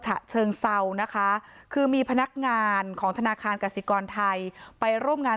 ฉะเชิงเซานะคะคือมีพนักงานของธนาคารกสิกรไทยไปร่วมงาน